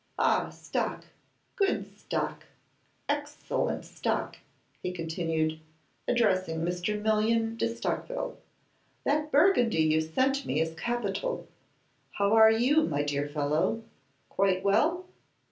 Ah! Stock, good Stock, excellent Stock!' he continued, addressing Mr. Million de Stockville, 'that Burgundy you sent me is capital. How are you, my dear fellow? Quite well?